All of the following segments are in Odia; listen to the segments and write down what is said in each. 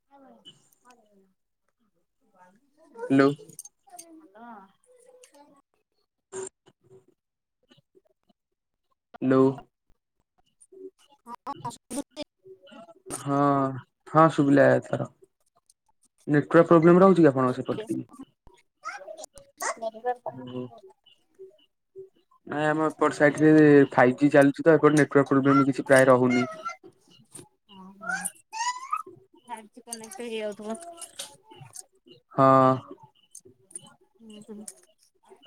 [inaudible] ହ୍ୟାଲୋ। [inaudible] ହ୍ୟାଲୋ। [unintelligible] ହଁ ହଁ ସୁବିଲା ଏଥର। ନେଟୱାର୍କ ପ୍ରୋବଲେମ୍ ରହୁଛି ଆପଣ ଙ୍କ ସେପଟେ ଟିକେ। [inaudible] ନାଇଁ ଆମ ଏପଟ ସାଇଡରେ ଫାଇଭ୍ ଜି ଚାଲଛି ତ ଏପଟେ ନେଟୱାର୍କ ପ୍ରୋବ୍ଲେମ୍ କିଛି ପ୍ରାୟ ରହୁନି। ଓ ହୋ ଫାଇବ ଜି କନକ୍ଟେ ହେଇଯାଉଥିବ। ହଁ। ହୁଁ ହୁଁ।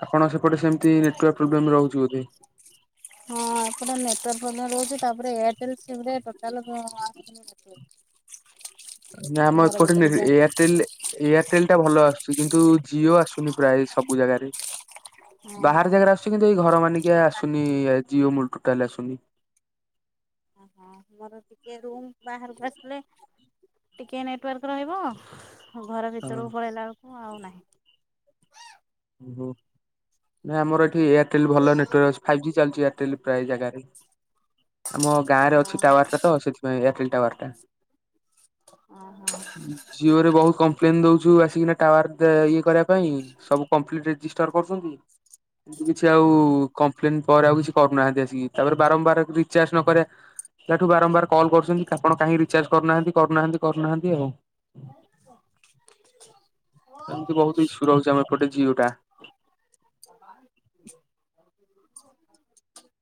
ଆପଣ ସେପଟେ ସେମିତି ନେଟୱାର୍କ ପ୍ରୋବ୍ଲେମ୍ ରହୁଚି ବୋଧେ। ହଁ ଏପଟେ ନେଟ ୱାର୍କ ପ୍ରୋବ୍ଲେମ୍ ରହୁଚି ତାପରେ ଏୟାରଟେଲ ସିମ୍ ରେ ଟୋଟାଲ [unintelligible] [unintelligible] ଆମ ଘର ଏପଟେ ଭିତରେ ଯା [unintelligible] ଏୟାରଟେଲ ଏୟାରଟେଲ ଟା ଭଲ ଆସୁଛି କିନ୍ତୁ ଜିଓ ଆସୁନି ପ୍ରାୟ ସବୁ ଜାଗାରେ। ବାହାର ଜାଗାରେ ଆସୁଛି କିନ୍ତୁ ଏଇ ଘର ମାନିକିଆ ଆସୁନି ଜିଓ ମୁଲୁଠୁ କାଲି ଆସୁନି। ଓହୋ ମୋର ଟିକେ ରୁମ୍ ବାହାରକୁ ଆସିଲେ ଟିକେ ନେଟୱାର୍କ ରହିବ ଘର ହଁ ଭିତରକୁ ପଳାଇଲା ବେଳକୁ ଆଉ ନାହିଁ। ଓହୋ। ନାଇଁମ ଏଠି ଏୟାରଟେଲ ଭଲ ନେଟୱାର୍କ ଅଛି ଫାଇଭ ଜି ଚାଲୁଛି ଏୟାରଟେଲ ପ୍ରାୟ ଜାଗାରେ। ଆମ ଗାଁ ରେ ହଁ ଅଛି ଟାୱାର ଟା ତ ସେଥିପାଇଁ ଏୟାରଟେଲ ଟାୱାର ଟା। ଓହୋ। ଜିଓରେ ବହୁତ କମ୍ପ୍ଲେନ ଦୋଉଛୁ ଆସିକିନା ଟାୱାର ଟା ଇଏ କରିବା ପାଇଁ ସବୁ କମ୍ପ୍ଲିଟ ରେଜିଷ୍ଟର୍ କରୁଛନ୍ତି ଏମିତି କିଛି ଆଉ ହଁ କମ୍ପ୍ଲେନ ପରେ ଆଉ କିଛି କରୁନାହାନ୍ତି ଆସିକି ତାପରେ ବାରମ୍ବାର ରିଚାର୍ଜ ନକରିଆ ତାଠୁ ବାରମ୍ବାର କଲ୍ କରୁଛନ୍ତି ଆପଣ କାହିଁକି ରିଚାର୍ଜ କରୁନାହାନ୍ତି କରୁନାହାନ୍ତି କରୁନାହାନ୍ତି ଆଉ। ଏମିତି ବହୁତ ଈଶୁ ରହୁଛି ଆମ ଏପଟେ ଜିଓଟା। [unintelligible]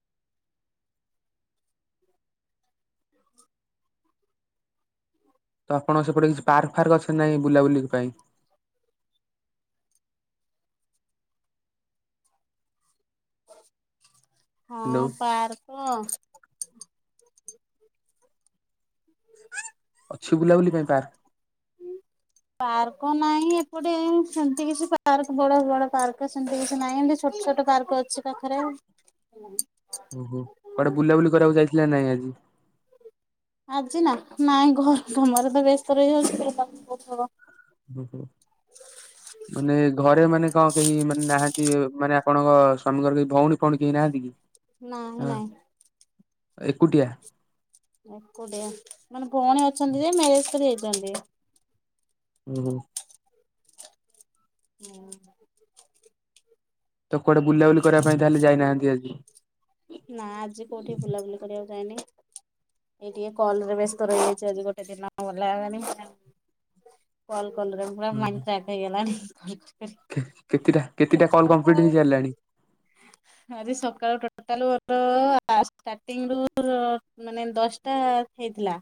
ଓ ତ ଆପଣ ସେପଟେ କିଛି ପାର୍କ ଫାର୍କ ଅଛନ୍ତି ନାଇଁ ବୁଲାବୁଲି ପାଇଁ? ହଁ ହ୍ୟାଲୋ ପାର୍କ [unintelligible] ଅଛି ବୁଲାବୁଲି ପାଇଁ ପାର୍କ? ପାର୍କ ନାହିଁ ଏପଟେ ସେମିତି କିଛି ପାର୍କ ବଡ ବଡ ପାର୍କ ସେମତି କିଛି ନାହିଁ। ଏମିତି ଛୋଟ ଛୋଟ ପାର୍କ ଅଛି ପାଖରେ। ଓହୋ କୁଆଡେ ବୁଲାବୁଲି କରିବାକୁ ଯାଇଥିଲା ନା ନାଇଁ ଆଜି? ଆଜି ନା ନାଇଁ ଘର କାମରେ ତ ବ୍ୟସ୍ତ ରହିଯାଉଛି ବୁଲିବାକୁ କୋଉଠି ହବ। ଓହୋ। ହ ମାନେ ଘରେ ମାନେ କଣ କେହି ମାନେ ନାହାନ୍ତି ମାନେ ଆପଣଙ୍କ ସ୍ଵାମୀଙ୍କର କେହି ଭଉଣୀ ଫୋଉଣୀ କେହି ନାହାନ୍ତି କି? ନାହିଁ ହଁ ନାହିଁ। ଏକୁଟିଆ? ଏକୁଟିଆ ମାନେ ଭୋଉଣ ଅଛନ୍ତି ଯେ ମ୍ୟାରେଜ କରି ଯାଇ। ହୁଁ। ହୁଁ। ତ କୁଆଡେ ବୁଲାବୁଲି କରିବା ପାଇଁ ତାହେଲେ ଯାଇନାହାନ୍ତି ଆଜି? ନା ଆଜି କୋଉଠି ବୁଲାବୁଲି କରିବାକୁ ଯାଇନି। ଏଇ ଟିକେ କଲରେ ବେସ୍ତ ରହିଯାଇଛି ଆଜି ଗୋଟେ ଦିନ ଭଲା ହେବନି। କଲ କଲରେ ପୁରା ଓହୋ ମାଇଣ୍ଡ ଚାଟ୍ ହେଇଗଲାଣି କଲ୍ କ କେତେଟା କେତେଟା କଲ୍ କମ୍ପ୍ଲିଟ୍ ହେଇ ସାରିଲାଣି? ଆରେ ସକାଳୁ ଟୋ ଟୋଟାଲ ମୋର ଷ୍ଟାର୍ଟିଂରୁୁ ମୋର ମାନେ ଦଶଟା ହେଇଥିଲା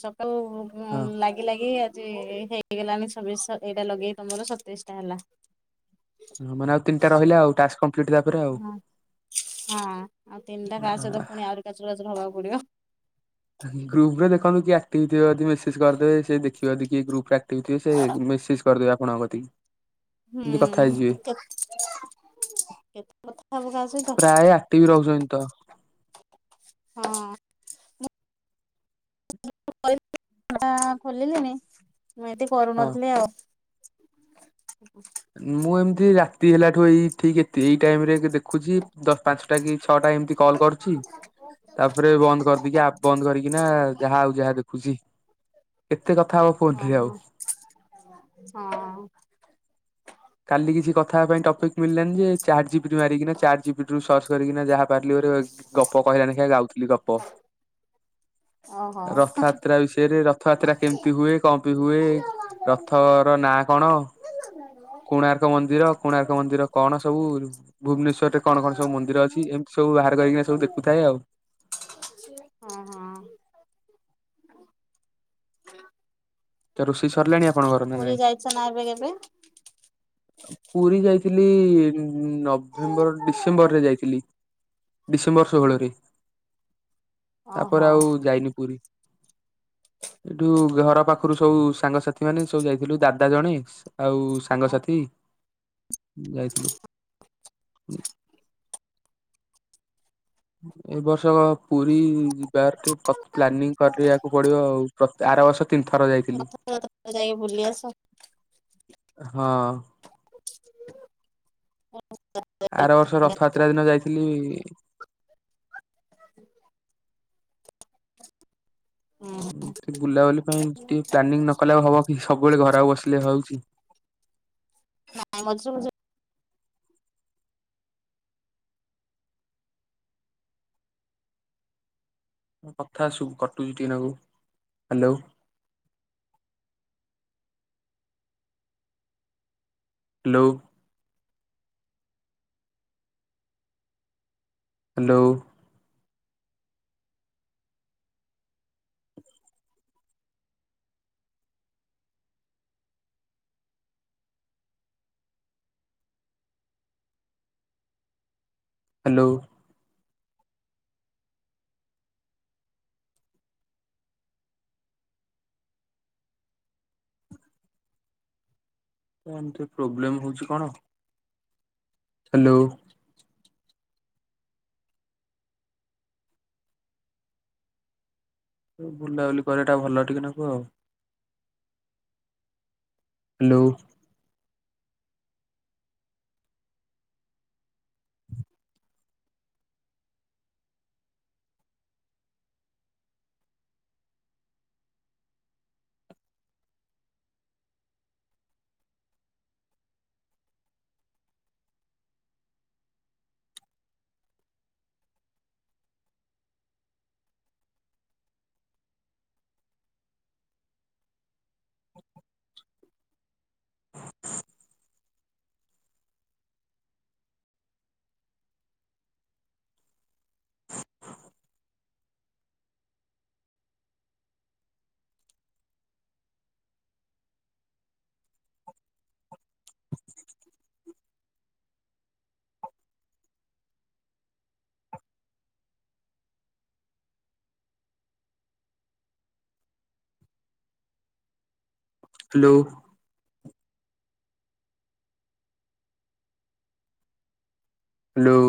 ସକାଳୁ ଉଁ ହଁ ଲାଗି ଲାଗି ଆଜି ହେଇଗଲାଣି ଛବିଶ ସ ଏଇଟା ଲଗେଇକି ତମର ସତେଇଶ ଟା ହେଲା। ହଁ ମାନେ ଆଉ ତିନିଟା ରହିଲା ଆଉ ଟାସ୍କ କଂପ୍ଲିଟ୍ ହେବ୍ ହଁ ହଁ ଆଉ ତିନିଟା କାହା ସହିତ ପୁଣି ଆହୁରି କାଚୁର କାଚୁର ହବାକୁ ପଡିବ। ଗ୍ରୁପ ରେ ଦେଖନ୍ତୂ କିଏ ଆକ୍ଟିଭ ଥିବେ ଯଦି ମେସେଜ କରିଦେବେ ସେ ଦେଖିବେ ଯଦି କିଏ ଗ୍ରୁପରେ ଆକ କ୍ଟିଭ ଥିବେ ସେ ମେସେଜ୍ କରିଦେବେ ଆପଣଙ୍କ କତିକି। ଏମିତି କଥା ହୁଁ ହେଇଯିବେ। କେତେ କେତେ କଥା ହୋବୁ କାହା ସହିତ। ଟିଭ୍ ରହୁଛନ୍ତି ତ। ହଁ। ଟା ଖୋଲିଲିଣି ମୁଁ ଏମିତି ହଁ। କରୁନଥିଲି ଆଉ। ମୁଁ ଏମିତି ରାତି ହେଲାଠୁ ଏଇ ଠିକ ଏତି ଏଇ ଟାଇମ ରେ ଦେଖୁଛି ଦଶ ପାଞ୍ଚଟା କି ଛଅଟା ଏମିତି କଲ୍ କରୁଛି। ତାପରେ ବନ୍ଦ କରିଦେଇକି ଆପ୍ ବନ୍ଦ କରିକିନା ଯାହା ଆଉ ଯାହା ଦେଖୁଛି। ଏତେ କଥା ହବ ଫୋନ୍ ରେ ଆଉ। ଓହୋ ହଁ। କାଲି କିଛି କଥା ହବା ପାଇଁ ଟପିକ୍ ମିଳିଲାନି ଯେ ଚାରଜିପିଟି ମାରିକିନା ଚାରଜିପିଟି ରୁ ସର୍ଚ୍ଚ କରିକିନା ଯାହା ପାରିଲି ଗପ କହିଲାନି ସେ ଗାଉଥିଲି ଗପ। [unintelligible] ରଥଯାତ୍ରା ବିଷୟରେ ରଥ ରଥଯାତ୍ରା କେମିତି ହୁଏ କଅଁ ପାଇଁ ହୁଏ ରଥର ନାଁ କଣ? କୋଣାର୍କ ମନ୍ଦିର ଓହୋ। କୋଣାର୍କ ମନ୍ଦିର କଣ ସବୁ ଭୁବନେଶ୍ୱରରେ କଣ କଣ ସବୁ ମନ୍ଦିର ଅଛି ଏମିତି ସବୁ ବାହାର ହଁ କରିକିନା ସବୁ ଦେଖୁଥାଏ ଆଉ। ହୁଁ ହୁଁ। ରୋଷେଇ ସରିଲାଣି ଆପଣଙ୍କର ନା ପୁରୀ ନାଇଁ? ଯାଇଛ ନା ଏବେ କେବେ? ପୁରୀ ଯାଇଥିଲି ନଭେମ୍ବର ଡିସେମ୍ବର ରେ ଯାଇଥିଲି। ଡିସେମ୍ବର ଷୋହଳରେ ଓହୋ ତାପରେ ଆଉ ଯାଇନି ପୁରୀ। ଏଠୁ ଘର ପାଖରୁ ସବୁ ସାଙ୍ଗସାଥି ମାନେ ସବୁ ଯାଇଥିଲୁ ଦାଦା ଜଣେ ଆଉ ସାଙ୍ଗସାଥି। ଯାଇଥିଲୁ ଏ ବର୍ଷକ ପୁରୀ ଯିବାର ଟିକେ ପ୍ଲାନିଂ କରିବାକୁ ପଡିବ ଆଉ। ଆର ବର୍ଷ ତିନି ଥର ଯାଇଥିଲି ରଥଯାତ୍ରା ଯାଇକି ବୁଲି ଆସ। ହଁ। ଆର ବର୍ଷ ରଥଯାତ୍ରା ଦିନ ଯାଇଥିଲି ବୁଲାବୁଲି ପାଇଁ ଟିକେ ପ୍ଲାନିଂ ନକଲେ ହବ କି ସବୁବେଳେ ଘରକୁ ବସିଲେ ହଉଛି। ନାଇଁ ମଝିରେ ମଝିରେ କଥା ସୁୁ କଟୁଛି ଟିକେ ନାକୁ। ହ୍ୟାଲୋ ହ୍ୟାଲୋ ହ୍ୟାଲୋ ହ୍ୟାଲୋ କଣ ଏମିତି ପ୍ରୋବ୍ଲେମ ହଉଛି କଣ? ହ୍ୟାଲୋ ବୁଲାବୁଲି କରିବା ଟା ଭଲ ଟିକେ ନାକୁ ଆଉ। Hello hello hello